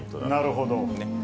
なるほど。